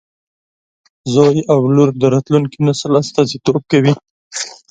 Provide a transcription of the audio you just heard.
زوی او لور د راتلونکي نسل استازیتوب کوي.